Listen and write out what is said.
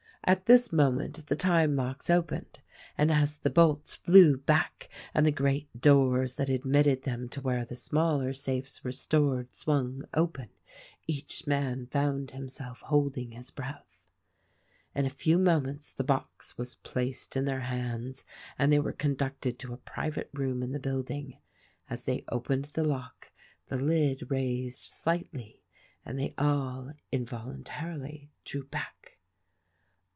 At this moment the time locks opened; and as the bolts flew back and the great doors that admitted them to where the smaller safes were stored swung open, each man found himself holding his breath. In a few moments the box was placed in their hands and they were conducted to a private room in the build ing. As they opened the lock the lid raised slightly and they all, involuntarily, drew back.